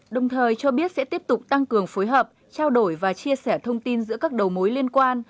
đồng thời cho biết sẽ tiếp tục tăng cường phối hợp trao đổi và chia sẻ thông tin giữa các đầu mối liên quan